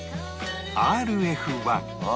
ＲＦ１。